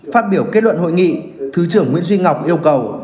phát biểu kết luận hội nghị thứ trưởng nguyễn duy ngọc yêu cầu